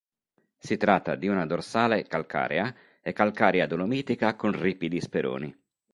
Si tratta di una dorsale calcarea e calcarea-dolomitica con ripidi speroni.